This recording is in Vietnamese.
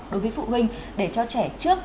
đối với phụ huynh